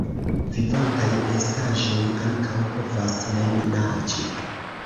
Vivantaj estaĵoj ankaŭ povas mem naĝi.